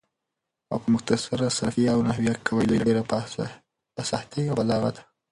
او په مختصر صرفیه او نحویه قواعدو یې له ډېره فصاحته او بلاغته